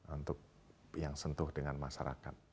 untuk yang sentuh dengan masyarakat